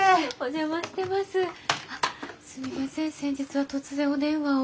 すみません先日は突然お電話を。